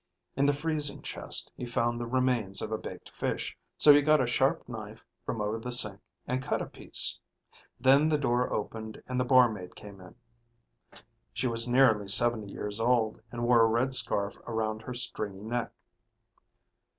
In the freezing chest he found the remains of a baked fish, so he got a sharp knife from over the sink, and cut a piece. Then the door opened and the barmaid came in. She was nearly seventy years old and wore a red scarf around her stringy neck.